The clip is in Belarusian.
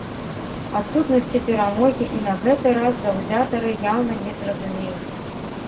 Адсутнасці перамогі і на гэты раз заўзятары яўна не зразумеюць.